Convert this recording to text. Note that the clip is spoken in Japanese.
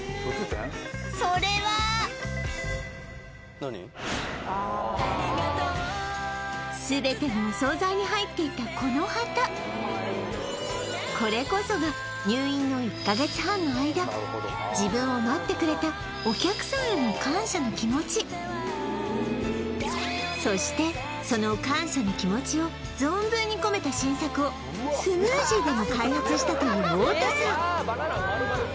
それは全てのお惣菜に入っていたこの旗これこそが入院の１か月半の間自分を待ってくれたそしてその感謝の気持ちを存分に込めた新作をスムージーでも開発したという太田さん